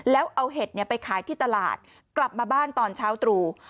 แล้วเอาเห็ดไปขายที่ตลาดกลับมาบ้านตอนเช้าตรู่